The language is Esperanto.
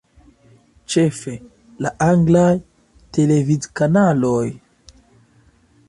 Ĉefe la anglaj televidkanaloj.